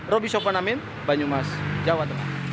roby sopanamin banyumas jawa tengah